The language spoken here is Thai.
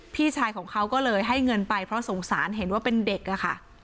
พี่ชายของเขาก็เลยให้เงินไปเพราะสงสารเห็นว่าเป็นเด็กอะค่ะ